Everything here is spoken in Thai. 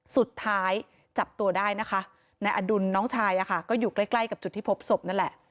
สุดท้ายจับตัวได้นะคะนายอดุลน้องชายอะค่ะก็อยู่ใกล้ใกล้กับจุดที่พบศพนั่นแหละ